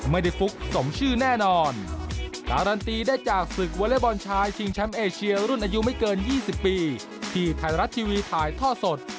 เมื่ออายุไม่เกิน๒๐ปีที่ไทยรัสทีวีถ่ายท่อสด